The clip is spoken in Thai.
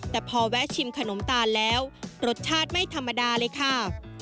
แต่พอแวะชิมขนมตาลแล้วรสชาติไม่ธรรมดาเลยค่ะ